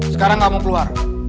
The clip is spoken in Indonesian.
sekarang kamu keluar